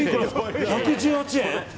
１１８円？